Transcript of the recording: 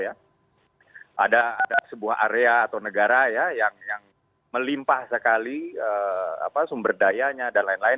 ada sebuah area atau negara ya yang melimpah sekali sumber dayanya dan lain lain